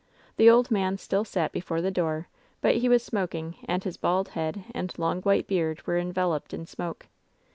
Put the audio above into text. The old man still sat before the door; but he was smoking, and his bald head and long white beard were enveloped in smoke.